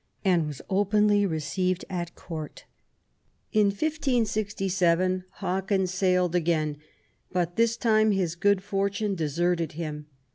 and was openly received at Court. In 1567 Hawkins sailed again, but this time his good fortune deserted him.